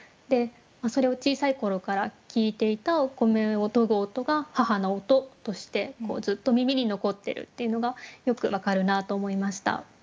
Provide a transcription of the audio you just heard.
それを小さい頃から聞いていたお米をとぐ音が「母の音」としてずっと耳に残ってるっていうのがよく分かるなと思いました。